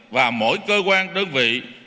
và mỗi cơ quan đơn vị